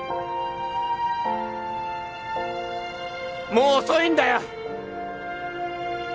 もう遅いんだよ！